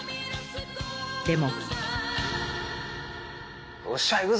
でも。